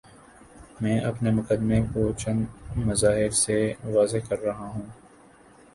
میں اپنے مقدمے کو چند مظاہر سے واضح کر رہا ہوں۔